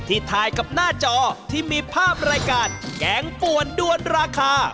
ถ่ายกับหน้าจอที่มีภาพรายการแกงป่วนด้วนราคา